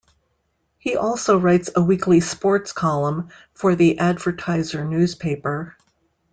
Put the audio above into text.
He also writes a weekly sports column for the Advertiser Newspaper.